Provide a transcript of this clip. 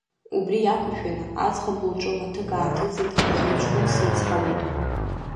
Убри иақәыршәаны аӡӷаб лҿы маҭык ааҭыҵит анхаҩы ҷкәын сицҳауеит ҳәа.